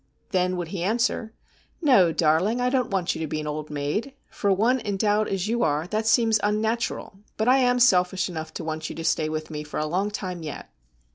Then would he answer :' No, darling, I don't want you to be an old maid. For one endowed as you are that seems unnatural, but I am selfish enough to want you to stay with me for a long time yet.'